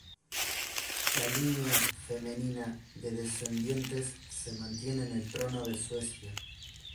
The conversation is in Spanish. La línea femenina de descendientes se mantiene en el trono de Suecia.